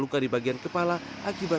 dua kali kenceng suara tapi ya